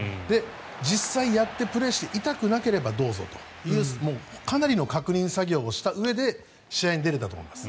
実際、やってプレーして痛くなければどうぞというかなりの確認作業をしたうえで試合に出れたと思います。